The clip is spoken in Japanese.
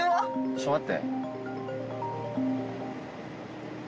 ちょっと待って。